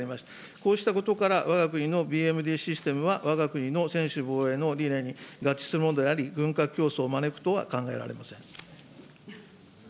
こうしたことから、わが国のＢＭＤシステムは、わが国の専守防衛の理念に合致するものであり、軍拡競争を招くとは考えられません。